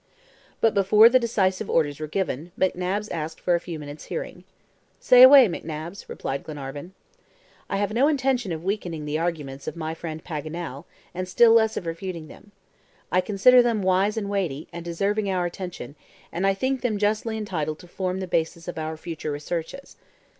But before the decisive orders were given, McNabbs asked for a few minutes' hearing. "Say away, McNabbs," replied Glenarvan. "I have no intention of weakening the arguments of my friend Paganel, and still less of refuting them. I consider them wise and weighty, and deserving our attention, and think them justly entitled to form the basis of our future researches.